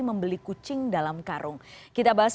membeli kucing dalam karung kita bahas